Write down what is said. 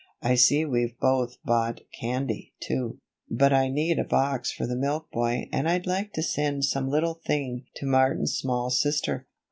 I see we've both bought candy, too; but I need a box for the milk boy and I'd like to send some little thing to Martin's small sister."